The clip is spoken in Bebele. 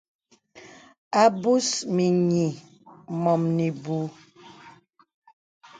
A mbus mìnyì mɔ̀m ìbùù.